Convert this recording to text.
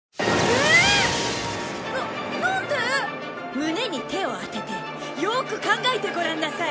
胸に手を当ててよく考えてごらんなさい。